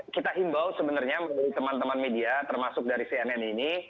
kita himbau sebenarnya dari teman teman media termasuk dari cnn ini